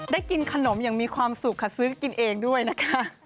กินขนมอย่างมีความสุขค่ะซื้อกินเองด้วยนะคะ